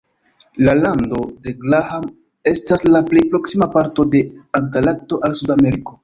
La Lando de Graham estas la plej proksima parto de Antarkto al Sudameriko.